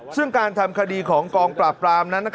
ซึ่งการทำคดีของกองปราบปรามนั้น